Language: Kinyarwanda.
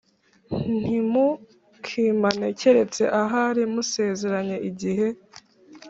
Ntimukimane keretse ahari musezeranye igihe